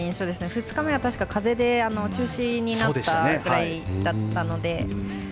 ２日目は確か風で中止になったくらいだったので。